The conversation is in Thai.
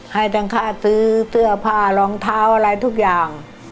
ให้ตั้งค่าซื้อเสื้อผ้ารองเท้าอะไรทุกอย่าง